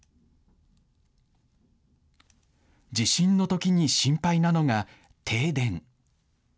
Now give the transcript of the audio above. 地震のときに心配なのが停電。